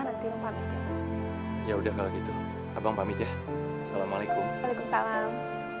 nanti nungguin ya udah kalau gitu abang pamit ya assalamualaikum waalaikumsalam